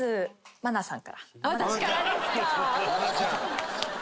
愛菜ちゃん！